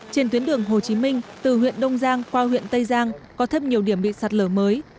trên tuyến đường hồ chí minh từ huyện đông giang qua huyện tây giang có thêm nhiều điểm bị sạt lở mới